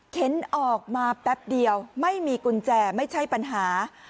ออกมาแป๊บเดียวไม่มีกุญแจไม่ใช่ปัญหา